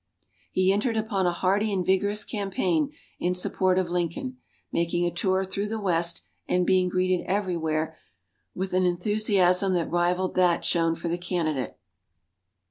He entered upon a hearty and vigorous campaign in support of Lincoln making a tour through the West and being greeted everywhere with an enthusiasm that rivaled that shown for the candidate.